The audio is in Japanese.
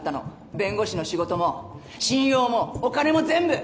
弁護士の仕事も信用もお金も全部。